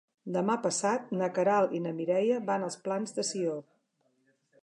Demà passat na Queralt i na Mireia van als Plans de Sió.